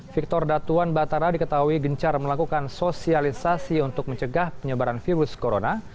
victor datuan batara diketahui gencar melakukan sosialisasi untuk mencegah penyebaran virus corona